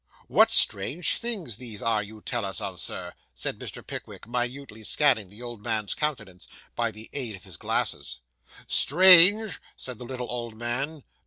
'What strange things these are you tell us of, Sir,' said Mr. Pickwick, minutely scanning the old man's countenance, by the aid of his glasses. 'Strange!' said the little old man.